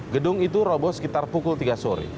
gedung itu roboh sekitar pukul tiga sore